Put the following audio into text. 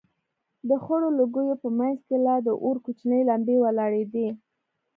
د خړو لوگيو په منځ کښې لا د اور کوچنۍ لمبې ولاړېدې.